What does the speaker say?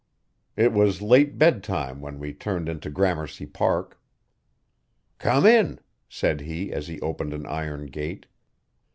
It was late bedtime when we turned into Gramercy Park. 'Come in,' said he as he opened an iron gate.